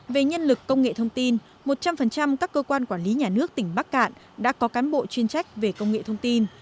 về nhân lực công nghệ thông tin một trăm linh các cơ quan quản lý nhà nước tỉnh bắc cạn đã có cán bộ chuyên trách về công nghệ thông tin